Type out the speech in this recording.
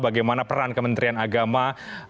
bagaimana peran kementerian agama